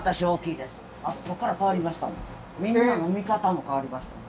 みんなの見方も変わりました。